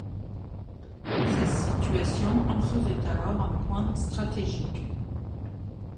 Sa situation en faisait alors un point stratégique.